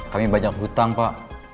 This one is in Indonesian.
kami banyak hutang pak